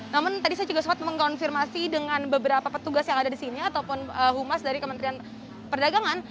namun tadi saya juga sempat mengkonfirmasi dengan beberapa petugas yang ada di sini ataupun humas dari kementerian perdagangan